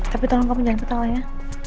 tapi tolong kamu jangan kepala ya